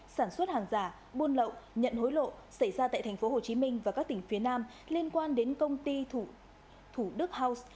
sản xuất hàng giả buôn lậu nhận hối lộ xảy ra tại tp hcm và các tỉnh phía nam liên quan đến công ty thủ đức house